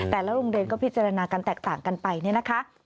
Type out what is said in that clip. โรงเรียนก็พิจารณากันแตกต่างกันไปเนี่ยนะคะ